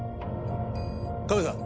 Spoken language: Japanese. カメさん